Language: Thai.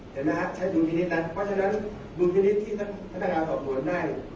ใช้ธุรกิจแล้วเพราะฉะนั้นธุรกิจที่ทางการสอบสวนได้